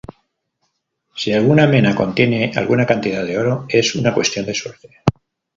Si alguna mena contiene alguna cantidad de oro, es una cuestión de suerte.